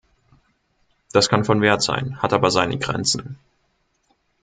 Das kann von Wert sein, hat aber seine Grenzen.